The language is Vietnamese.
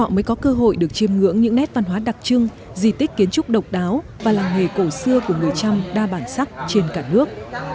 mình có cơ hội được chiêm ngưỡng những nét văn hóa đặc trưng di tích kiến trúc độc đáo và làng nghề cổ xưa của người trăm đa bản sắc trên cả nước